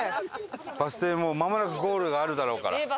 バス停もう間もなくゴールがあるだろうから。